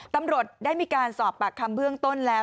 ตำรวจได้มีการสอบปากคำเบื้องต้นแล้ว